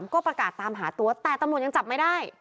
ก็ประกาศตามหาตัวแต่ตำรวจยังจับไม่ได้